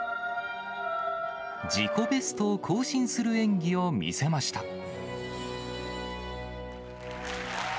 自己ベストを更新する演技を見せました。